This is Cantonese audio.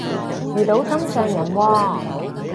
遇到心上人喎？